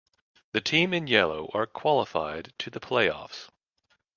The team in yellow are qualified to the Play Offs.